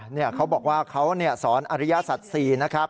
เขาบอกว่าเขาสอนอริยสัตว์๔นะครับ